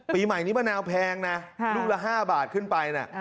ปีใหม่นี้มะนาวแพงนะลูกละ๕บาทขึ้นไปนะ